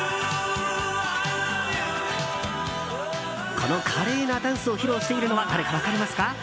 この華麗なダンスを披露しているのは誰か分かりますか？